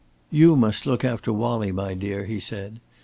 "You must look after Wallie, my dear," he said.